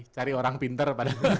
cari orang pinter padahal